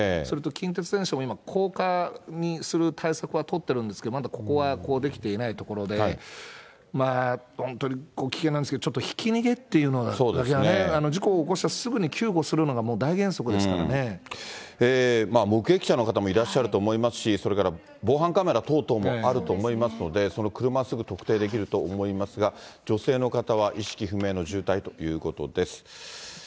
それと近鉄沿線も高架にする対策は取ってるんですけど、まだここはできていないところで、本当に危険なんですけど、ちょっとひき逃げというのが、事故を起こしたらすぐに救護するのがもう目撃者の方もいらっしゃると思いますし、それから防犯カメラ等々もあると思いますので、その車、すぐ特定できると思いますが、女性の方は意識不明の重体ということです。